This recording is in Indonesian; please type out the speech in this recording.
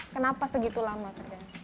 kenapa segitu lama kerja